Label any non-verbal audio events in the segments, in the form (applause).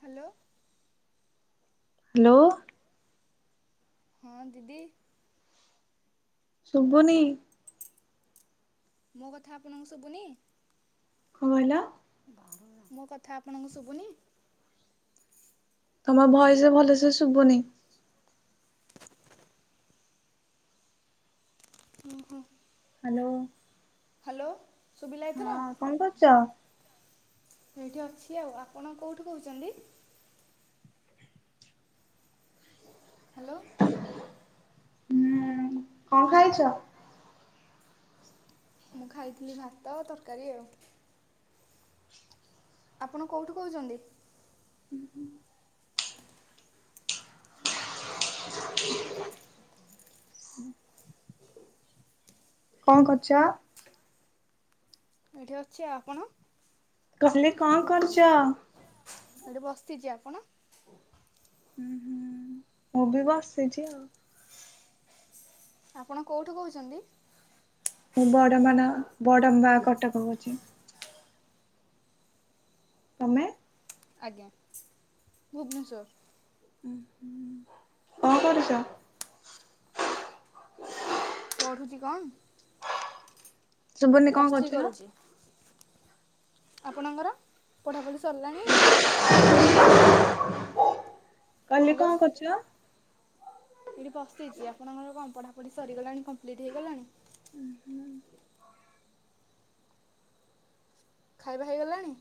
Hello. Hello. ହଁ ଦିଦି। ଶୁଭୁନି। ମୋ କଥା ଆପଣଙ୍କୁ ଶୁଭୁନି? କଣ କହିଲ? ମୋ କଥା ଆପଣଙ୍କୁ ଶୁଭୁନି? ତମର ଭୟସ ଭଲ ସେ ଶୁଭୁନି। ଓହୋ (unintelligible) ହ୍ୟାଲୋ। ହ୍ୟାଲୋ। ଶୁଭିଲା ଏଥର ହଁ, କଣ କରୁଛ? ଏଇଠି ଅଛି ଆଉ ଆପଣ କୋଉଠୁ କହୁଛନ୍ତି? ହ୍ୟାଲୋ। ହୁଁ, କଣ ଖାଇଛ? ମୁଁ ଖାଇଥିଲି ଭାତ ତରକାରୀ ଆଉ ଆପଣ କେଉଁଠୁ କହୁଛନ୍ତି? ହୁଁ ହୁଁ (unintelligible) (unintelligible) କଣ କରୁଛ? ଏଠି ଅଛି ଆପଣ? କହିଲି କଣ କରୁଛ? ହୁଁ ଏଠି ବସିଛି ଆପଣ? ହଁ ହୁଁ ଓ ବି ବସିଛି ଆଉ ଆପଣ କେଉଁଠୁ କହୁଛନ୍ତି? ମୁଁ ବଡମ୍ୱା ନା ବଡମ୍ୱା କଟକ କହୁଛି। ତମେ। ଆଜ୍ଞା ଭୁବନେଶ୍ଵର। କଣ କରୁଚ? ପଢ଼ୁଛି କଣ? ସୁଭୁନି କଣ ପ୍ଲସ୍ ଥ୍ରୀ କରୁଛ? କରୁଛି ଆପଣଙ୍କର ପଢାପଢ଼ି ସରିଲାଣି ଏ ନା? କାଲି ହ୍ୟାଲୋ କଣ କରୁଛ? ଏଇଠି ବସିଛି ଆପଣଙ୍କର ପଢ଼ା କୋଉଠି ସରିଗଲାଣି (unintelligible) ହେଇଗଲାଣି। ଖାଇବା ହେଇଗଲାଣି?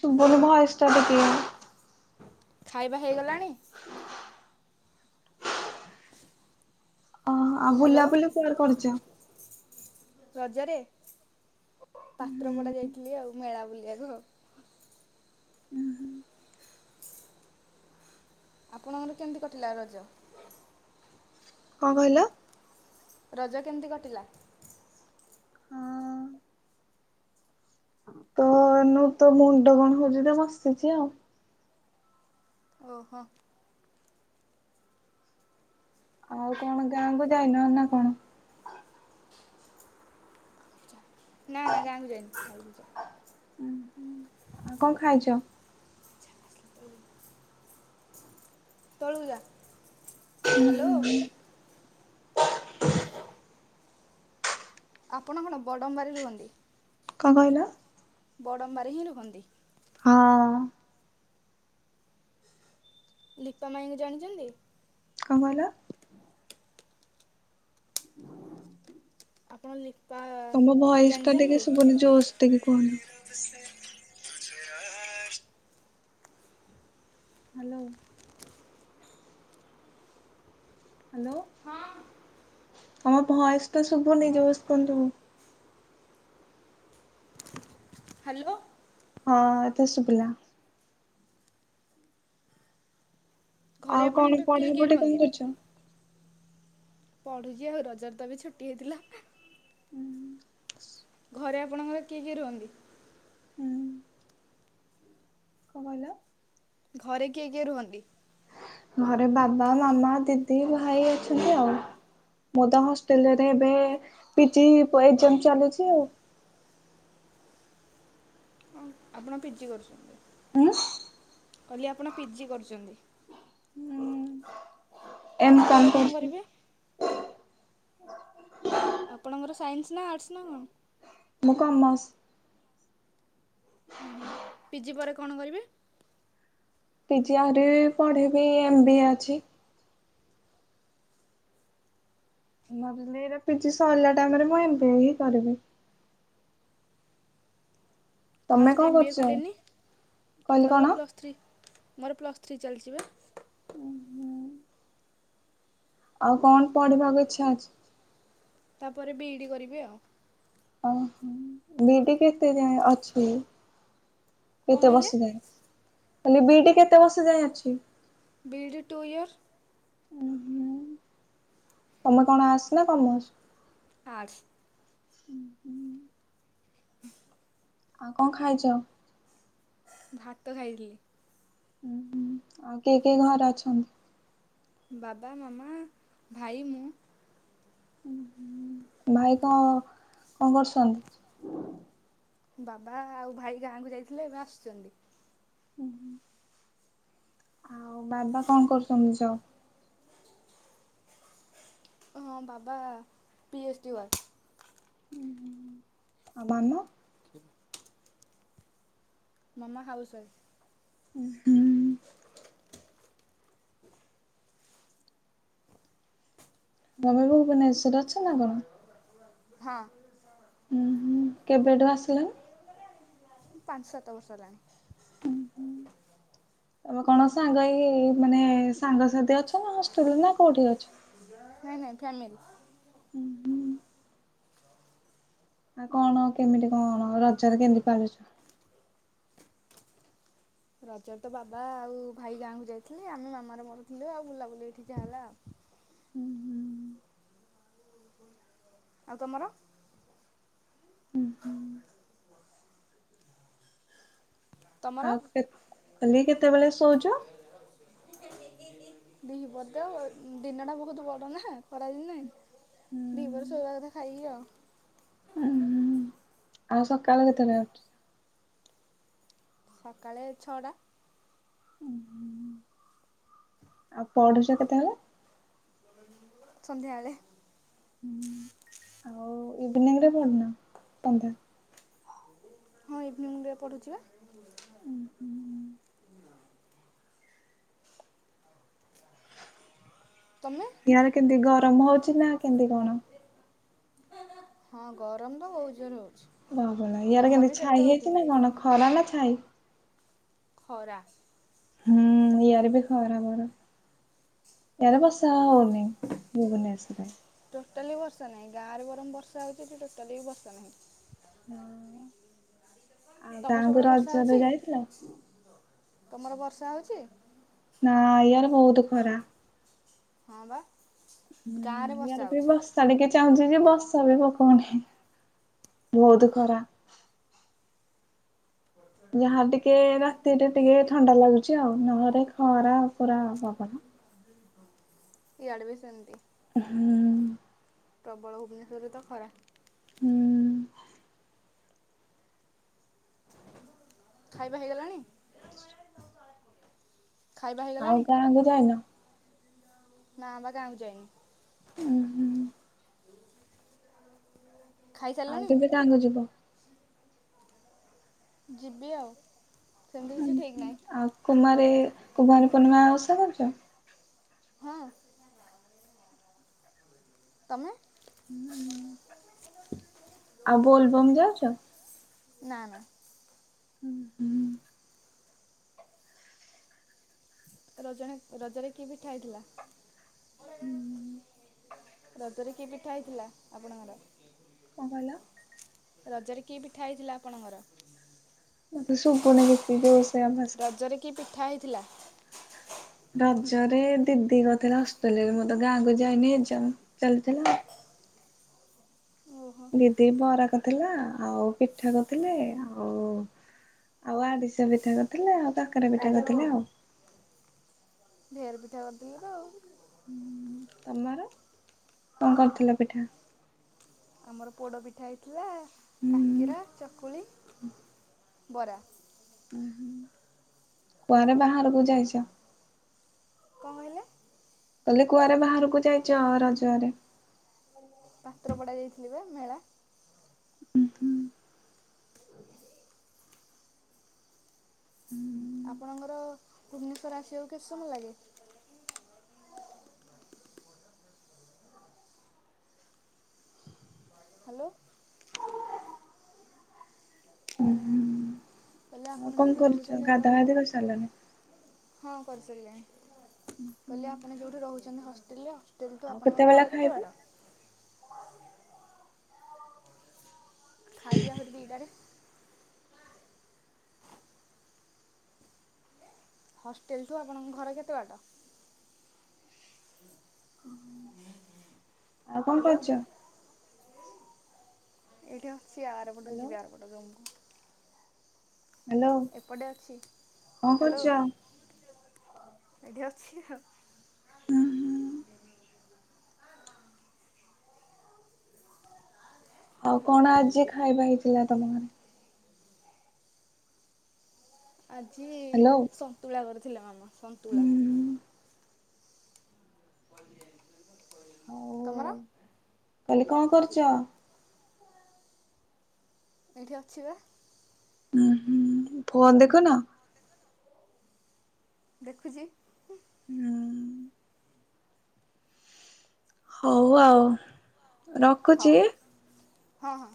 ଶୁଭୁନି ଭୟେସ ଟା ଟିକିଏ। ଖାଇବା ହେଇଗଲାଣି। ଓ ଆଉ ହ୍ୟାଲୋ ବୁଲାବୁଲି କୁଆଡେ କରୁଛ। ରଜରେ। ପାତ୍ର ପଡା ଯାଇଥିଲି ଆଉ ମେଳା ବୋଲି। (unintelligible) ଉ ହୁଁ। ଆପଣଙ୍କର କେମିତି କଟିଲା ରଜ? କଣ କହିଲ? ରଜ କେମିତି କଟିଲା? ତ ମୋର ତ ମୁଣ୍ଡ କଣ ହଉଚି ତ ବସିଚି ଆଉ। ଓହୋ। ଆଉ କଣ ଗାଁ କୁ ଯାଇନ ନା କଣ? ନା ନା ଗାଁ କୁ ଯାଇନି। ଆଉ କଣ ଖାଇଛ? (unintelligible) ତଳକୁ ଯା। ହୁଁ ହ୍ୟାଲୋ ହୁଁ ହୁଁ। ଆପଣ କଣ ବଡ଼ମ୍ବାରେ ରୁହନ୍ତି। କଣ କହିଲ? ବଡମ୍ବାରେ ହିଁ ରୁହନ୍ତି। ହଁ। ଦିପା ମାଇଙ୍କୁ ଜାଣିଚନ୍ତି? କଣ କହିଲ? (unintelligible) ଆପଣ ଲଖ ତମ ଭୟସ ଟା ଟିକେ ସୁବୁନି ଜୋରସେ ଟିକେ କୁହନ୍ତୁ। (unintelligible) ହାଲୋ। ହାଲୋ। ଆମ ଭୟସ ତ ସୁବୁନି ଜୋରସେ କୁହନ୍ତୁ। ହାଲୋ। ହଁ ଏତ ଶୁଭିଲା। ଘରେ ଆଉ କଣ ଆପଣଙ୍କର କିଏ କିଏ ପଢାପଢି କଣ କରୁଚ? ପଢୁଛି ଆଉ ରଜର ତ ବି ଛୁଟି ହେଇଥିଲା। ହଁ। ଘରେ ଆପଣଙ୍କର କିଏ କିଏ ରୁହନ୍ତି? ହୁଁ କଣ କହିଲ? ଘରେ କିଏ କିଏ ରୁହନ୍ତି? ଘରେ ବାବା, ମାମା, ଦିଦି, ଭାଇ ଅଛନ୍ତି ଆଉ। ମୁ ତ ହଷ୍ଟେଲରେ ଏବେ ପି ଜି ଏକଜାମ ଚାଲିଚି। ଆପଣ ପି ଜି କରୁଚନ୍ତି? ଉଁ କଲି ଆପଣ ପି ଜି କରୁଚନ୍ତି? ହୁଁ। ଏମ୍ ପିଜି ପରେ କମ୍ କଣ କରୁଚି। କରିବେ? (unintelligible) ଆପଣଙ୍କର ସାଇନ୍ସ ନା ଆର୍ଟସ୍ ନା କଣ? ମୁଁ କମର୍ସ। ଉ ହୋଁ ପି ଜି ପରେ କଣ କରିବେ? ପି ଜି ଆରି ପଢ଼ିବିି ଏମ ବି ଏ ଅଛି। ଭାବିଲି ଏଇଟା ପି ଜି ସରିଲା ଟାଇମରେ ମୁଁ ଏମତି ହିଁ କରିବି। ତମେ ଫାଷ୍ଟ କଣ ଏମ୍ୱବିଏ କରୁଛ? କଲେନି କହିଲି ମୋର କଣ ବା ପ୍ଲସ୍ ଥ୍ରୀ। ମୋର ପ୍ଲସ୍ ଥ୍ରୀ ଚାଲିଛି ବା। ଉଁ ହୁଁ। ଆଉ କଣ ପଢିବାକୁ ଇଛା ଅଛି? ତାପରେ ବିଇଡି କରିବି ଆଉ। ଓ ହୋ ବିଇଡି କେତେ ଯାଏ ଅଛି? କଣ କେତେ କହିଲେ? ବର୍ଷ ଯାଏ? କହିଲି ବିଇଡି କେତେ ବର୍ଷ ଯାଏ ଅଛି? BEd two year. ଉଁ ହୁଁ। ତମେ କଣ ଆଡ୍ଶ୍ ନା କମର୍ସ? ଆଡ୍ଶ୍। ହୁଁ ହୁଁ। ଆଉ କଣ ଖାଇଛ? ଭାତ ଖାଇଥିଲି। ହୁଁ ହୁଁ ଆଉ କିଏ କିଏ ଘରେ ଅଛନ୍ତି? ବାବା, ମାମା, ଭାଇ ମୁଁ। ଭାଇ କଣ କଣ କରୁଛନ୍ତି? ବାବା ଆଉ ଭାଇ ଗାଁକୁ ଯାଇଥିଲେ। ଏବେ ଆସୁଛନ୍ତି। ଉଁହୁଁ। ଆଉ ବାବା କଣ କରୁଛନ୍ତି ଯ ହଁ ବାବା ପିଏଚ ଟି ୱା। ଉଁହୁଁ ଆଉ ମାମା? ମାମା ହାଉସ୍‌ ୱାଇଫ। ଉଁହୁଁ। (unintelligible) ହଁ। ଉଁ ହୁଁ କେବେଠୁ ଆସିଲେ? ପାଞ୍ଚ ସାତ ବର୍ଷ ହେଲାଣି। ତମେ କଣ ସାଙ୍ଗ ହେଇ ମାନେ ସାଙ୍ଗସାଥି ଅଛ ନା ହଷ୍ଟେଲରେ ନା କଉଠି ଅଛ? ନାଇଁ ନାଇଁ ଫ୍ୟାମିଲି। ଉଁ ହୁଁ। ଆଉ କଣ କେମିତି କଣ ରଜରେ କେମିତି ପାଳିଚ? ରଜରେ ତ ବାବା ଆଉ ଭାଇ ଗାଁ କୁ ଯାଇଥିଲେ। ଆମେ ମାମାର ମୋର ଥିଲୁ। ଆଉ ବୁଲାବୁଲି ଏଠି ଯା ହେଲା ଆଉ। ହୁଁ ହୁଁ ଆଉ ତମର? ହୁଁ ହୁଁ ତମର (unintelligible) କହିଲି କେତେବେଳେ ଶୋଉଚ? ଦିହିପହରେ ତ ଦିନ ଟା ବହୁତ ବଡ ନା ଖରା ଦିନେ। ହୁଁ ଦିହିପହରେ ଶୋଇବା କଥା ଖାଇ କି ହୁଁ ହୁଁ ଆଉ। ଆଉ ସକାଳ କେତେବେଳେ? ସକାଳେ ଛଅଟା। ଆଉ ପଢୁଛ କେତେବେଳେ? ସନ୍ଧ୍ୟାବେଳେ। ଆଉ (unintelligible) ହଁ ଇଭିନିଂରେ ପଢୁଛି ବା। ତମେ ୟାର କେମିତି ଗରମ ହଉଛି ନା କେମତି କଣ? ହଁ ଗରମ ତ ବହୁତ୍ ଯୋରେ ହଉଛି। ହିଆରେ କେମିତି ଛାଇ ହେଇଛି ନା କଣ ଖରା ନା ଛାଇ। ଖରା। ହଁ ଇଆଡ଼େ ବି ଖରା ବର ଇଆଡ଼େ ବର୍ଷା ହଉନି। (inaudible) ଟୋଟାଲି ବର୍ଷା ନାହିଁ। ଗାଁରେ ବରଂ ବର୍ଷା ହେଉଛି ଏଠି ଟୋଟାଲି ବି ବର୍ଷା ନାହିଁ। ହଁ ଆଉ ତମର ସେପଟେ ଗାଁକୁ ବର୍ଷା ରଜରେ ହେଉଛି ଯାଇଥିଲ? ତମର ବର୍ଷା ହଉଛି। ନା ଇୟାଡେ ବହୁତୁ ଖରା। ହଁ ବା। ଗାଁରେ ହୁଁ ବର୍ଷା ୟାର ବି ହଉଛି ବସ୍ତା ଟିକେ ଚାହୁଁଛି। ବର୍ଷ ବି ପକଉନି ବହୁତ ଖରା ଯାହା ଟିକେ ରାତିରେ ଟିକେ ଥଣ୍ଡା ଲାଗୁଛି ଆଉ ନହେଲେ। ଖରା ପୁର ବାବ ଇୟଡ ବି ସେନ୍ତି ହୁଁ। ପ୍ରବଳ ଭୁବନେଶ୍ୱରରେ ତ ଖରା ହୁଁ। ଖାଇବା ହେଇଗଲାଣି। ଖାଇବା ଆଉ ହେଇଗଲାଣି ଗାଁକୁ ଯାଇନ ନା ବା ଗାଁକୁ ଯାଇନି। ଓ ହୁ। ଆଉ ଖାଇସାରିଲଣି କେବେ କାକୁ ଯିବ। ଯିବି ଆଉ। ସେମିତି କିଛି ଠିକ୍ ନାହିଁ ଆଉ କୁମାର କୁମାରୀ ପୂର୍ଣ୍ଣିମା ଆଉସ କରଛ। ହଁ। ତମେ ଆଉ ବୋଲବମ୍ ଯାଉଛ। ନା ନା। ହୁଁ ହୁଁ। ରଜ ରଜରେ କିଏ ପିଠା ହେଇଥିଲା। ଦ ତୋର କିଏ ପିଠା ହେଇଥିଲା ଆପଣଙ୍କର କଣ କହିଲ? ରଜରେ କିଏ ପିଠା ହେଇଥିଲା ଆପଣଙ୍କର ସପୁ ନା ଘି ଦିବସ୍। ରଜରେ କି ପିଠା ହେଇ ଥିଲା। ରଜରେ ଦିଦି କଥିଲା ହଷ୍ଟେଲିରେ ମଁତ ଗାଁକୁ ଯାଇନି ଏଯ ଚାଲିଥିଲା। ଓହୋ ଦିଦି ବରା କରିଥିଲା ଆଉ ପିଠା କରିଥିଲେ ଆଉ ଆଉ ଆରିସା ପିଠା କରିଥିଲେ ଆଉ କକେରେ ପିଠା କରିଥିଲେ ଆଉ। ଫେରେ ପିଠା କରିଥିଲେ ତ ଆଉ। ତମର କଣ କରଥିଲ ପିଠା ଆମର ପୋଡ ପିଠା ହେଇଥିଲା। କାକିରା ହୁଁ ଚକୁଳି ବରା କୁଆରେ ବାହାରକୁ ଯାଇଛ। କଣ କହିଲେ? କହିଲେ କୁଆରେ ବାହାରକୁ ଯାଇଛ ଆ ରଜଆରେ ପାତ୍ର ପଡ଼ା ଯାଇଥିଲେ ବା ମେଳା ଉଁ ହୁଁ। ଆପଣଙ୍କର ଭୁବନେଶ୍ଵର ଆସିବାକୁ କେତେ ସମୟ ଲାଗେ ହ୍ୟାଲୋ। ହୁଁ କହିଲେ ଆପଣ ଆଉ କଣ ଯେଉଁଠି କରୁଛ ରହୁଛନ୍ତି ଆପଣ ଖାଧା ଫାଧ କସାରିଲଣି ହଁ କରିସାରିଲାଣି କହିଲେ ଆପଣ ଯୋଉଠି ରହୁଛନ୍ତି ହଷ୍ଟେଲରେ ହୋଟେଲ ତୁ ଆଉ ଆପଣଙ୍କ କେତେବେଳେ ଘର କେତେ ଖାଇବ? ବାଟ ଖାଇ ପିଆ ଖ ବିି ଏଇଟାରେ ହଷ୍ଟେଲଠୁ ଆପଣଙ୍କ ଘର କେତେ ବାଟ? ହ ହଁ ହ। ଆଉ କଣ କରୁଛ? ଏଇଟା ଫୟାର ପଟୁଛି ହ୍ୟାଲୋ ପାର ପଟ ହ୍ୟାଲୋ ଅଛି କଣ କରୁଛ? ଆ ଅଛି। ଆ ଉଁ ହୁଁ ଆଉ କଣ ଆଜି ଖାଇବା ହେଇଥିଲା ତମ ଘରେ ଆଜି ହ୍ୟାଲୋ ସନ୍ତୁଳା କରି ଥିଲା ମାମ ସନ୍ତଳା ହୁଁ ଓ ଯାଇ ତମର କାଲି କଣ କରୁଛ? ଏଇଠି ଅଛି ବା ହୁଁ ହୁଁ ଫନ୍ ଦେଖ ନା ଦେଖୁଛି। ହୁଁ। ହଉ ଆଉ। ରଖୁଛି। ହଉ ହଁ ହଁ।